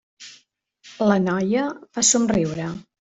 La noia va somriure.